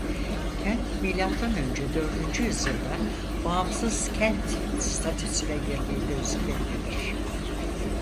Kent Milattan önce dördüncü yüzyılda bağımsız kent statüsüne girdiği gözükmektedir.